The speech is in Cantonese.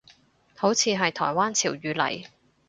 好似係台灣潮語嚟